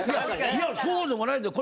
いやそうでもないんだよ。